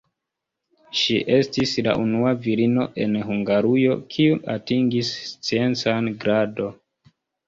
Ŝi estis la unua virino en Hungarujo, kiu atingis sciencan gradon.